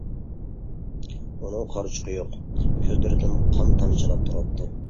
ئۇنىڭ قارىچۇقى يوق كۆزلىرىدىن قان تامچىلاپ تۇراتتى.